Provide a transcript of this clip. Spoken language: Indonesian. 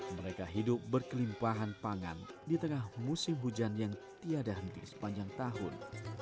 mereka hidup berkelimpahan pangan di tengah musim hujan yang tiada henti sepanjang tahun